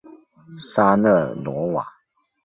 沙勒罗瓦。